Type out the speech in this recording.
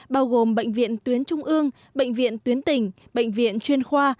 bao gồm bệnh viện tuyến trung ương bệnh viện tuyến tỉnh bệnh viện chuyên khoa